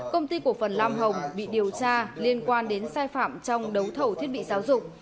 công ty cổ phần lam hồng bị điều tra liên quan đến sai phạm trong đấu thầu thiết bị giáo dục